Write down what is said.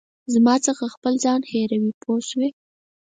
زما څخه خپل ځان هېروې پوه شوې!.